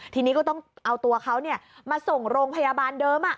ทีนี้ก็ต้องเอาตัวเขามาส่งโรงพยาบาลเดิม